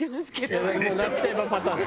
なっちゃえばパターン。